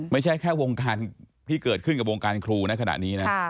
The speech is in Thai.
ไม่ใช่แค่วงการที่เกิดขึ้นกับวงการครูนะขณะนี้นะ